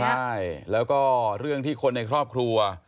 ใช่แล้วก็เรื่องที่คนในครอบครัว